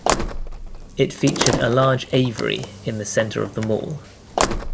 It featured a large aviary in the centre of the mall.